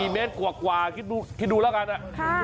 ๔เมตรกว่าคิดดูแล้วกัน